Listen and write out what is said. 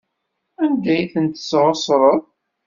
Anda ay ten-tesɣesreḍ?